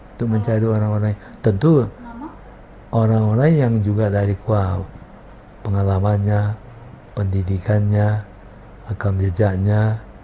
untuk mencari orang orang tentu orang orang yang juga dari kuah pengalamannya pendidikannya rekam jejaknya